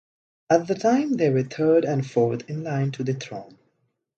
At the time, they were third and fourth in line to the throne.